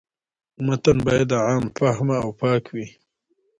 متن باید عام فهمه او پاک وي.